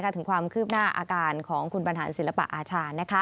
ถึงความคืบหน้าอาการของคุณบรรหารศิลปะอาชา